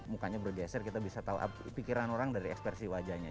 mukanya bergeser kita bisa tahu pikiran orang dari ekspresi wajahnya